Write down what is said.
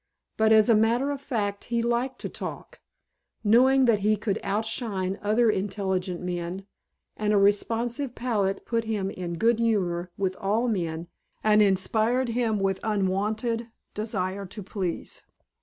But as a matter of fact he liked to talk, knowing that he could outshine other intelligent men, and a responsive palate put him in good humor with all men and inspired him with unwonted desire to please.